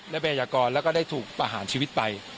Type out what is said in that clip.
และเป็นอาหารและก็ได้ถูกประหารชีวิตไป